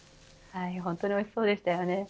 本当においしそうでしたよね。